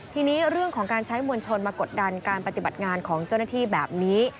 ทีนี้เรื่องของการใช้มวลชนมากดดันการปฏิบัติงานของเจ้าหน้าที่แบบนี้